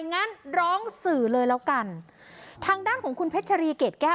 งั้นร้องสื่อเลยแล้วกันทางด้านของคุณเพชรรีเกรดแก้ว